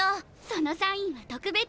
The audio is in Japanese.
そのサインは特別。